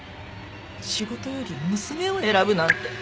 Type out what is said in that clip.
仕事より娘を選ぶなんて。